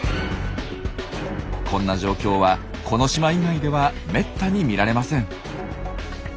こんな状況はこの島以外ではめったに見られません。